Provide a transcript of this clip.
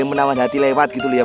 menawan hati lewat gitu ya